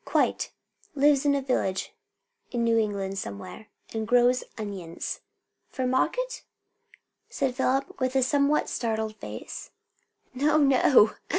"Quite. Lives in a village in New England somewhere, and grows onions." "For market?" said Philip, with a somewhat startled face. "No, no!"